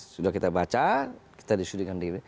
sudah kita baca kita disuduhkan di dpi